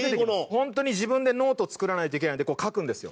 ホントに自分でノート作らないといけないので書くんですよ。